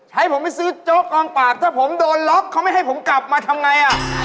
ให้ผมไปซื้อโจ๊กกองปราบถ้าผมโดนล็อกเขาไม่ให้ผมกลับมาทำไงอ่ะ